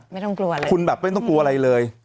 ไม่ต้องกลัวเลยคุณแบบไม่ต้องกลัวอะไรเลย